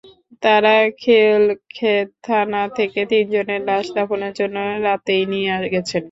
তাঁরা খিলক্ষেত থানা থেকে তিনজনের লাশ দাফনের জন্য রাতেই নিয়ে গেছেন।